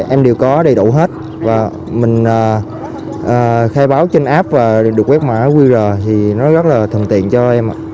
em đều có đầy đủ hết và mình khai báo trên app và được quét mã qr thì nó rất là thuận tiện cho em ạ